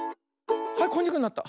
はいこんにゃくになった。